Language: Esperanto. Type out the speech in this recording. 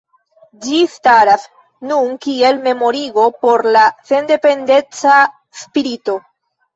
Ĝi staras nun kiel memorigo por la sendependeca spirito.